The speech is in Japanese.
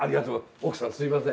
奥さんすみません。